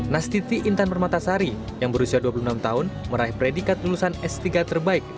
nastiti intan permatasari yang berusia dua puluh enam tahun meraih predikat lulusan s tiga terbaik